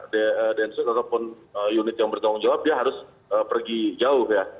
densus ataupun unit yang bertanggung jawab dia harus pergi jauh ya